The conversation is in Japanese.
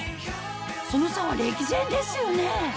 その差は歴然ですよね